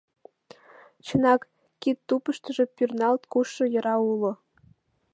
Чынак, кидтупыштыжо пӱрналт кушшо йора уло.